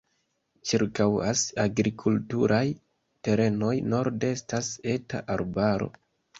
Ĉirkaŭas agrikulturaj terenoj, norde estas eta arbaro.